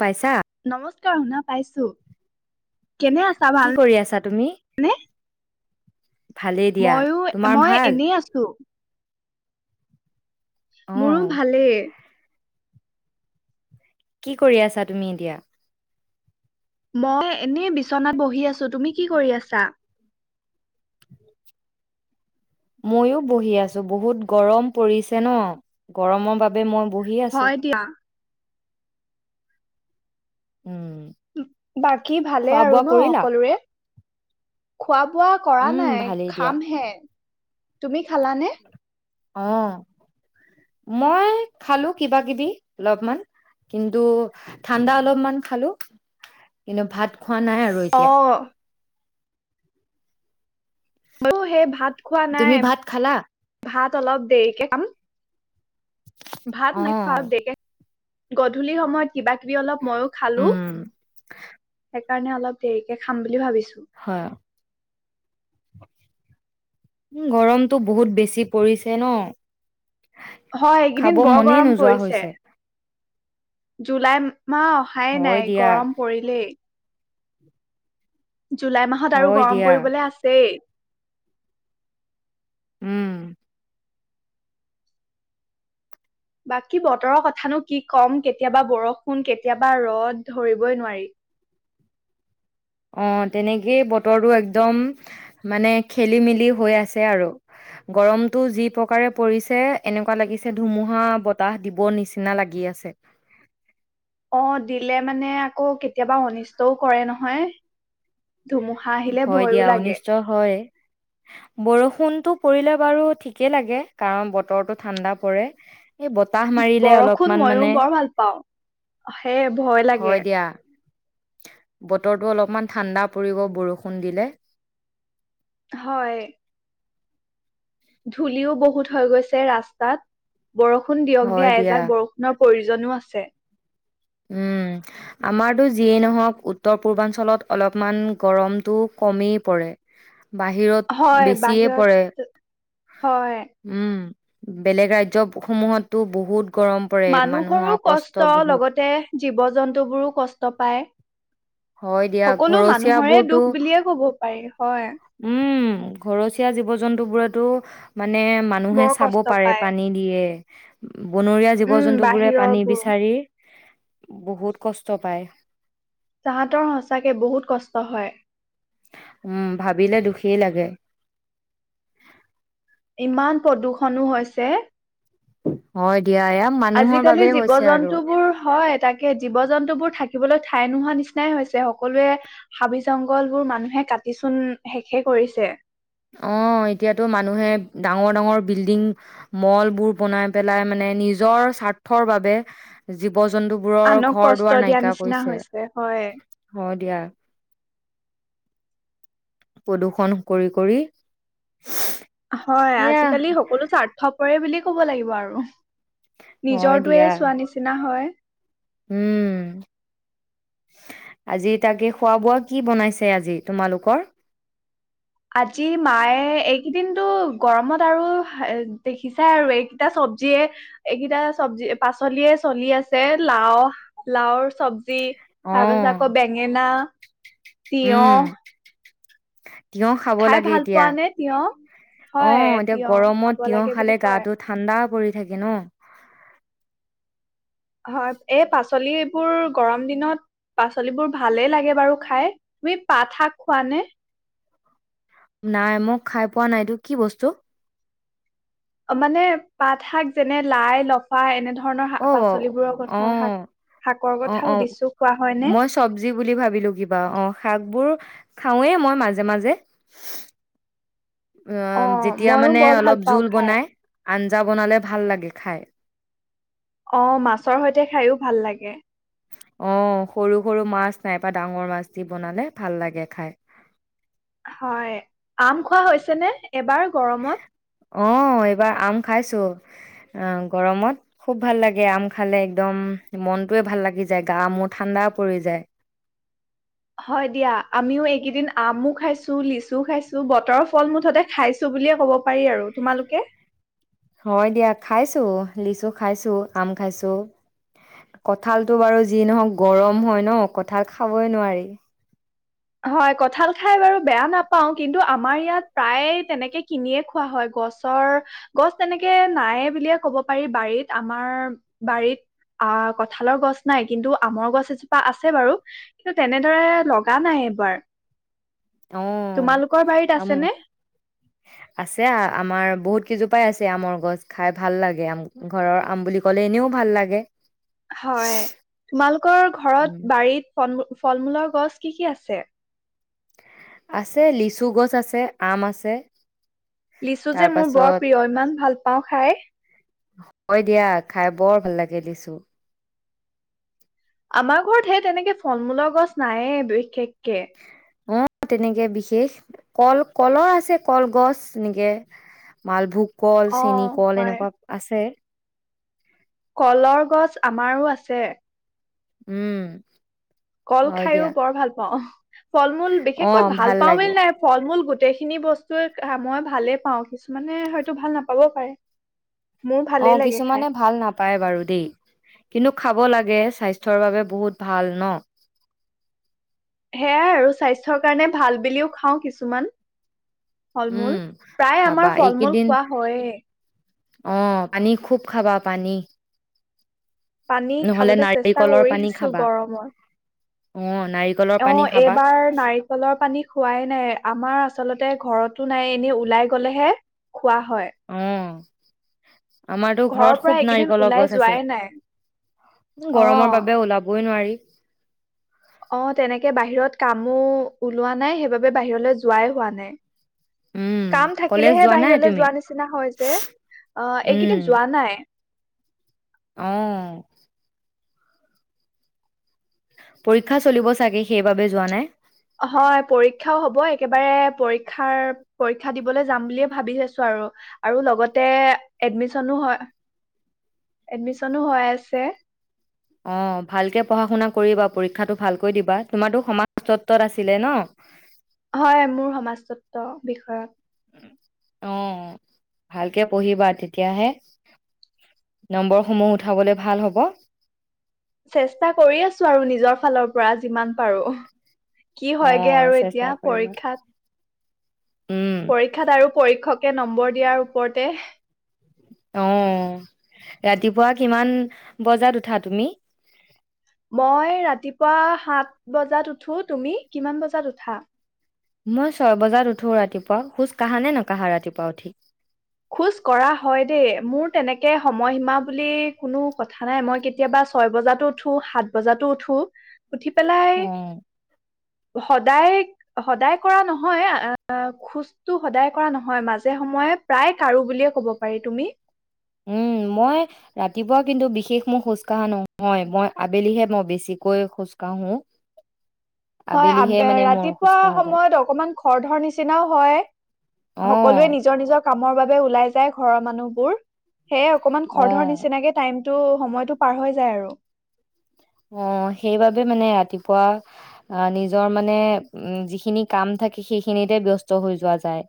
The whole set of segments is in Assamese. পাইছা। কাৰ শুনা পাইছোঁ। কেনে আছা কি ভাল কৰি আছা তুমি? নে? ভালেই দিয়া। ময়ো তোমাৰ মই ভাল? এনেই আছোঁ। মোৰো অ', ভালে। কি কৰি আছা তুমি এতিয়া? মই এনেই বিচনাত বহি আছোঁ। তুমি কি কৰি আছা? ময়ো বহি আছোঁ। বহুত গৰম পৰিছে ন'? গৰমৰ বাবে মই বহি আছো। হয় দিয়া। উম, উম বাকী ভালে খোৱা আৰু বোৱা ন' কৰিলা? সকলোৰে? খোৱা বোৱা কৰা উম, নাই, ভালেই দিয়া। খামহে। তুমি খালানে? অ, মই খালো কিবাকিবি অলপমান, কিন্তু ঠাণ্ডা অলপমান খালো। কিন্তু ভাত খোৱা নাই আৰু অ এতিয়া। ময়ো সেই ভাত খোৱা তুমি নাই। ভাত খালা? ভাত অলপ দেৰিকে খাম। ভাত নেখাওঁ অ', দে। গধূলি সময়ত কিবাকিবি অলপ মইও খালোঁ। উম, সেইকাৰণে অলপ দেৰিকে খাম বুলি ভাবিছোঁ। হয় অ। উ গৰমতটো বহুত বেছি পৰিছে ন'! হয় খাব এইকেইদিন বৰ মনেই গৰম নোযোৱা পৰিছে। হৈছে। জুলাই মাহ অহাই হয় নাই দিয়া, গৰম পৰিলেই। জুলাই মাহত আৰু হয় গৰম দিয়া, পৰিবলৈ আছেই। উম, বাকী বতৰৰ কথানো কি ক'ম, কেতিয়াবা বৰষুণ, কেতিয়াবা ৰ'দ ধৰিবই নোৱাৰি। অ তেনেকেই বতৰটো একদম মানে খেলিমেলি হৈ আছে আৰু। গৰমটো যি প্ৰকাৰে পৰিছে এনেকুৱা লাগিছে ধুমুহা বতাহ দিব নিচিনা লাগি আছে। অ' দিলে মানে আকৌ কেতিয়াবা অনিষ্টও কৰে নহয়। ধুমুহা আহিলে ভয়ো লাগে। বৰষুণতো পৰিলে বাৰু ঠিকেই লাগে, কাৰণ বতৰটো ঠাণ্ডা পৰে। এই বত বৰষুণ মইয়ো বৰ ভাল পাওঁ। সেয়ে ভয় লাগে। হয় দিয়া বতৰটো অলপমান ঠাণ্ডা পৰিব বৰষুণ দিলে। হয়। ধূলিও বহুত হৈ গৈছে ৰাস্তাত। বৰষুণ দিয়ক দিয়া, এজাক বৰষুণৰ প্ৰয়ো জনো আছে। উম, আমাৰতো যিয়েই নহওঁক, উত্তৰ পূৰ্বাঞ্চলত অলপমান গৰমটো কমেই পৰে। হয় বাহিৰত বেছিয়ে বাহিৰত পৰে। হয়। উম বেলেগ ৰাজ্য সমূহতো বহুত গৰম পৰে মানুহৰ মানুহৰো কষ্ট বহুত লগতে জীৱ জন্তুবোৰো কষ্ট পায়। হয় দিয়া, সকলো ঘৰচীয়া মানুহৰে বোৰতো, দুখ বুলিয়ে ক'ব পাৰি হয়। উম, ঘৰচীয়া জীৱ জন্তু বোৰত তোৰ মানে মানুহে বৰ চাব কষ্ট পাৰে, পায় পানী দিয়ে। বনৰীয়া জীৱ উম জন্তু বোৰে পানী বাহিৰৰবোৰ বিচাৰি বহুত কষ্ট পায়। তাহাঁতৰ সঁচাকৈ বহুত কষ্ট হয়। উম, ভাবিলে দুখেই লাগে। ইমান প্ৰদূৰ্ষণো হৈছে! হয়। দিয়া এয়া মানুহৰ আজিকালি বাবেই জীৱ হৈছে আৰু জন্তু বোৰ? হয়, তাকে জীৱ জন্তু বোৰ থাকিবলৈ ঠাই নোহোৱা নিচিনাই হৈছে, সকলোৱে হাবি জংঘল বোৰ মানুহে কাটিচোন শেষেই কৰিছে। অঁ এতিয়াতো মানুহে ডাঙৰ ডাঙৰ বিল্ডিং, মল বোৰ বনাই পেলাই মানে নিজৰ স্বাৰ্থৰ বাবে যি জীৱ জন্তুবোৰৰ আনক ঘৰ কষ্ট দুৱাৰ দিয়া নাইকিয়া নিচিনা কৰিছে, হৈছে হয়। হয় দিয়া। প্ৰদূৰ্ষণ কৰি কৰি হয়, সেয়া আজিকালি সকলো স্বাৰ্থ কৰে বুলিয়ে ক'ব লাগিব আৰু হয় নিজৰটোৱে দিয়া চোৱা নিচিনা হয়। উম, আজি তাকে খোৱা বোৱা কি বনাইছে আজি তোমালোকৰ? আজি মায়ে, এইকেইদিনতো গৰমত আৰু দেখিছাই আৰু এইকেইটা চবজিয়ে এইকেইটা চবজি পাচলিয়ে চলি আছে লাওৰ লাওৰ চব তাৰ অঁ পিছত আকৌ বেঙেনা, তিয়হ, উম তিয়হ খাব খাই লাগে ভাল এতিয়া, পোৱা নে তিয়হ? হয় অ'এতিয়া তিয়হ গৰমত খাব তিয়হ লাগে খালে বুলি কয় গাটো ঠাণ্ডা পৰি থাকে ন হয়। এই পাচলি এইবোৰ গৰম দিনত, পাচলিবোৰ ভালেই লাগে বাৰু খাই তুমি পাত শাক খোৱাানে? নাই, মোক খাই পোৱা নাই। এইটো কি বস্তু? মানে, পাত শাক যেনে লাই, লফা, এনেধৰ অ' বৌ শাকৰ ' কথা অ' অ' সুধিছো খোৱা হয়নে? মই চবজি বুলি ভাবিলো কিবা। অ' শাকবোৰ? খাওঁৱে মই, মাজে মাজে অ' যেতিয়া ময়ো মানে বৰ ভাল অলপ পাওঁ জোল খাই। বনাই আঞ্জা বনালে ভাল লাগে খাই। অ' মাছৰ সৈতে খায়ো ভাল লাগে। অ' সৰু সৰু মাছ নাইবা ডাঙৰ মাছ দি বনালে ভাল লাগে খাই। হয়, আম খোৱা হৈছে নে, এইবাৰ গৰমত? অ', এইবাৰ আম খাইছো, আ, গৰমত। খুব ভাল লাগে, আম খালে একদম মনটোৱে ভাল লাগি যায়, গা মোৰ ঠাণ্ডা পৰি যায়। হয় দিয়া, আমিও এইকেইদিন আমো খাইছোঁ, লিচুও খাইছোঁ, বতৰৰ ফল মুঠতে খাইছোঁ বুলিয়ে ক'ব পাৰি আৰু তোমালোকে? হয়, দিয়া খাইছোঁ। লিচু খাইছোঁ, আম খাইছোঁ, কঠালটো বাৰু যি ন'হওঁক গৰম হয় ন, কঠাল খাবই নোৱাৰি। হয়, কঠাল খাই বাৰু বেয়া নাপাওঁ, কিন্তু আমাৰ ইয়াত প্ৰায়ে তেনেকে কিনিয়ে খোৱা হয়। গছৰ, গছ তেনেকে নাইয়ে বুলিয়ে ক'ব পাৰি বাৰিত। আমাৰ বাৰিত, আ, কঠালৰ গছ নাই, কিন্তু আমৰ গছ এজোপা আছে বাৰু কিন্তু তেনেদৰে লগা নাই। বাৰ অ', আম, আছেনে? আছে আমাৰ বহুত সিজোপাই আছে আমৰ গছ, খাই ভাল লাগে আম। ঘৰৰ আম বুলি ক'লে এনেও ভাল লাগে। হয়, তোমালোকৰ ঘৰত, উম বাৰীত ফল-মূ ফল মূলৰ গছ কি কি আছে? আছে, লিচু গছ আছে, আম আছে। লিচু যে তাৰ মোৰ বৰ পাছত প্ৰিয়। ইমান ভাল পাওঁ খাই। হয় দিয়া, খাই বৰ ভাল লাগে লিচু। আমাৰ ঘৰত হেই তেনেকে ফল-মূলৰ গছ নায়ে বিশেষকে। অ তেনেকে বিশেষ কল কলৰ আছে কলগছ এনেকে মালভোগ। কল, অ', চেনীকল হয়। এনেকুৱা আছে। কলৰ গছ আমাৰো আছে। উম। কল হয় খাইও দিয়া বৰ ভাল পাওঁ। ফল-মূল অ বিশেষকৈ ভাল পাওঁ বুলি লাগে নাই। ফল-মূল গোট গোটেইখিনি বস্তুৱে খা, মই ভালেই পাওঁ, কিছুমানে হয়তো ভাল নাপাবও পাৰে। মোৰ ভালেই অ', লাগে খাই কিছুমানে ভাল নাপায় বাৰু দেই, কিন্তু খাব লাগ যে স্বাস্থ্যৰ বাবে বহুত ভাল ন? সেয়াই আৰু স্বাস্থ্যৰ কাৰণে ভাল বিলিও খাওঁ কিছুমান। উম ফল-মূল, প্ৰায় খাবা আমাৰ ফল-মূল এইকেইদিন খোৱা হয়েই। অ', পানী খুব খাবা, পানী। পানী নহ'লে খাবলৈ চেষ্টা নাৰিকলৰ কৰি পানী আছোঁ, খাবা। গৰমত। [inaudible] অ পানী খাবা এইবাৰ নাৰিকলৰ পানী খোৱাই নাই আমাৰ। আচলতে ঘৰতো নাই, এনে ওলাই গ'লেহে। খোৱা হয়। অ', আমাৰতো ঘৰৰ ঘৰত পৰা খুব এইকেইদিন নাৰিকলৰ ওলাই গছ যোৱাই আছে। নাই ও, গৰমৰ অ বাবে ওলাবই নোৱাৰি। অ', তেনেকে বাহিৰত কামও ওলোৱা নাই, সেইবাবে বাহিৰলৈ যোৱাই হোৱা নাই। উম, কাম কলেজ থাকিলেহে যোৱা নাই বাহিৰলে তুমি? যোৱা নিচিনা হয় যে, অ', উম, এইকেইদিন যোৱা নাই। অ'। পৰীক্ষা চলিব চাগে, সেইবাবে যোৱা নাই। হয় পৰীক্ষাও হ'ব একেবাৰে পৰীক্ষা দিবলৈ যাম বুলি ভাবি আছো আৰু আৰু লগতে এডমিশ্যন হৈ আছে। অ', ভালকে পঢ়া শুনা কৰিবা পৰীক্ষাটো ভালকৈ দিবা তোমাৰো সমাজ তত্বত আছিলে ন'। হয় মোৰ সমাজতত্বৰ বিষয়ত। অ', ভালকে পঢ়িবা তেতিয়াহে নম্বৰসমূহ উঠাবলৈ ভাল হ'ব। চেষ্টা কৰি আছো আৰু নিজৰ ফালৰ পৰা যিমান পাৰো। কি হয়গে অ', আৰু এতিয়া চেষ্টা কৰিবা পৰীক্ষাত। উম, পৰীক্ষাত আৰু পৰীক্ষক নম্বৰ দিয়াৰ ওপৰতে অ ৰাতিপুৱা কিমান বজাত উঠা তুমি মই ৰাতিপুৱা সাত বজাত উঠো তুমি কিমান বজাত উঠা? মই ছয় বজাত উঠো ৰাতিপুৱা খোজ কঢ়া নে নকাৰা ৰাতিপুৱা উঠি? খোজ কঢ়া হয় দেই মোৰ তেনেকে সময়সীমা বুলি কোনো কথা নাই মই কেতিয়াবা ছয় বজাতো উঠো সাত বজাতো উঠো। উঠি পেলাই অ'। সদায় সদায় কৰা নহয় খোজতো সদায় কৰা নহয় মাজে সময়ে প্ৰায় কাৰো বুলিয়ে ক'ব পাৰি তুমি? উম, মই ৰাতিপুৱা কিন্তু বিশেষ মোৰ খোজ কঢ়া নহয় মই আবেলিহে মই বেছিকৈ খোজ কাঢ়ো। হয় আবেলিহে আব মানে মোৰ খোজ ৰাতিপুৱা কাঢ়া যায়। সময়ত অকমান খৰ ধৰ নিচিনাও হয় সকলোৱে অ', নিজৰ নিজৰ কামৰ বাবে ওলাই যায় ঘৰৰ মানুহবোৰ। সে অকমান খৰধৰ অ', নিচিনাকে টাইম টো সময়তটো পাৰ হৈ যায় আৰু। অ', সেইবাবে মানে ৰাতিপুৱা অ', নিজৰ মানে যিখিনি কাম থাকে সেইখিনিতে ব্যস্ত হৈ যোৱা যায়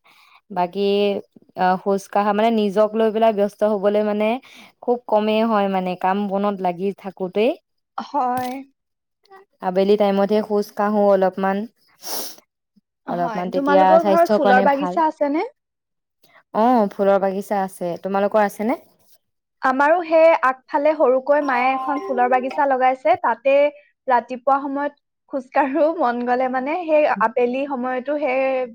বাকী খোজ কঢ়া মানে নিজক লৈ পেলাই ব্যস্ত হ'বলৈ মানে খুব কমেই হয় মানে কাম বনত লাগি থাকোতেই হয়। আবেলি টাইমতহে খোজ কাঢ়ো অলপমান। হয় অলপমান তেতিয়া তোমালোকৰ ঘৰত স্বাস্থ্যৰ ফুলৰ কাৰণে ভাল বাগিচা আছেনে? অ', ফুলৰ বাগিছা আছে। তোমালোকৰ আছেনে? আমাৰো সেই আগফালে সৰুকৈ মায়ে এখন ফুলৰ বাগিছা লগাইছে তাতে ৰাতিপুৱা সময়ত খোজকাঢ়ো মন গ'লে মানে সেই আবেলি সময়ত টো সেই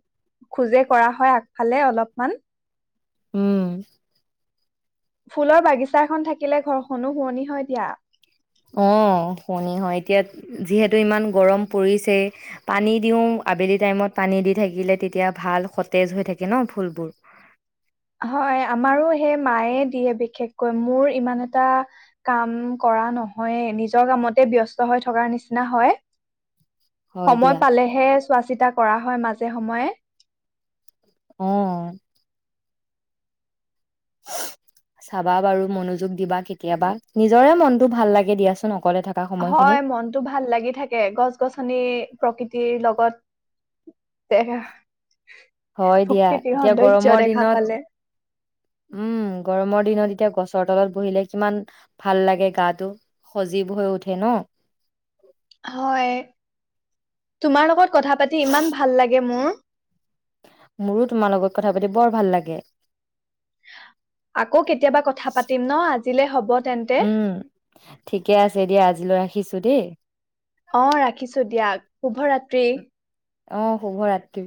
খোজে কৰা হয় আগফালে অলপমান। উম। ফুলৰ বাগিছাখন থাকিলে ঘৰখনো শুৱনি হয় দিয়া। অ', শনি হয় এতিয়া যিহেতু ইমান গৰম পৰিছে পানী দিওঁ আবেলি টাইমত পানী দি থাকিলে তেতিয়া ভাল সতেজ হৈ থাকে ন' ফুলবোৰ। হয় আমাৰো সেই মায়ে দিয়ে বিশেষকৈ মোৰ ইমান এটা কাম কৰা নহয় নিজৰ কামতে ব্যস্ত হৈ থকাৰ নিচিনা হয়। হয় সময় দিয়া পালেহে চোৱা চিতা কৰা হয় মাজে সময়ে। অ'। চাবা বাৰু মনোযোগ দিবা কেতিয়াবা নিজৰে মনতটো ভাল লাগে দিয়াচোনক। হয় মনতটো ভাল লাগি থাকে গছ-গছনি প্ৰকৃতিৰ লগত দেখা হয় দিয়া প্ৰকৃতিৰ এতিয়া সৌন্দৰ্য গৰমৰ দেখা দিনত পালে উম গৰমৰ দিনত এতিয়া গছৰ তলত বহিলে কিমান ভাল লাগে গাটো সজীৱ হৈ উঠে ন'। হয়, তোমাৰ লগত- কথা পাতি ইমান ভাল লাগে মোৰ। মোৰো তোমাৰ লগত কথা পাতি বৰ ভাল লাগে। আকৌ কেতিয়াবা কথা পাতিম ন আজি- দিলে হ'ব তেন্তে উম্ ঠিকে আছে দিয়া আজিলৈ ৰাখিছো দেই। অ ৰাখিছো দিয়াক। শুভৰাত্ৰি। অ শুভৰাত্ৰি।